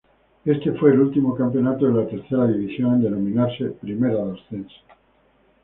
Este fue el último campeonato de la Tercera División en denominarse Primera de Ascenso.